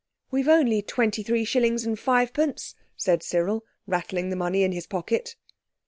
"We've only twenty three shillings and fivepence," said Cyril, rattling the money in his pocket.